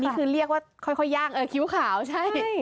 นี่คือเรียกว่าค่อยย่างคิ้วขาวใช่